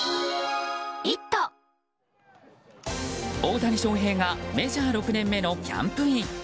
大谷翔平がメジャー６年目のキャンプイン。